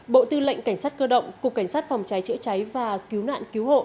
bộ tư lệnh cảnh sát cơ động cục cảnh sát phòng cháy chữa cháy và cứu nạn cứu hộ